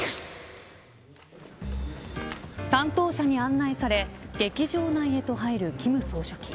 担当者に案内され劇場内へと入る金総書記。